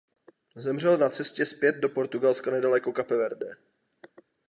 Zemřel na cestě zpět do Portugalska nedaleko Cape Verde.